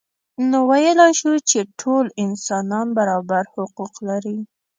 نو ویلای شو چې ټول انسانان برابر حقوق لري.